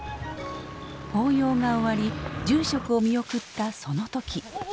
法要が終わり住職を見送ったその時。